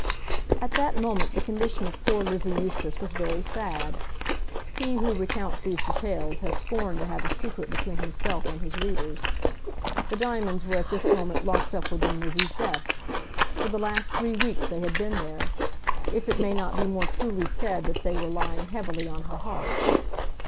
At that moment the condition of poor Lizzie Eustace was very sad. He who recounts these details has scorned to have a secret between himself and his readers. The diamonds were at this moment locked up within Lizzie's desk. For the last three weeks they had been there, if it may not be more truly said that they were lying heavily on her heart.